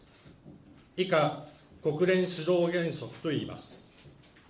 以下、国連指導原則といいます。